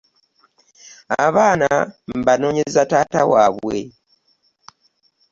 Abaana mbanoonyeza taata waabwe.